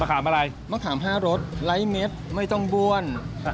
มะขามอะไรมะขามห้ารสร้ายเม็ดไม่ต้องบวน